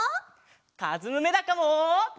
かずむめだかも。